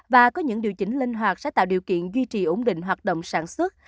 và có những điều chỉnh linh hoạt sẽ tạo điều kiện duy trì ổn định hoạt động sản xuất